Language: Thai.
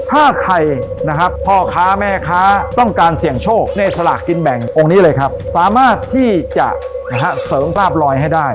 ถ้าใครนะครับพ่อค้าแม่ค้าต้องการเสี่ยงโชคในสลากกินแบ่งองค์นี้เลยครับสามารถที่จะนะฮะเสริมทราบรอยให้ได้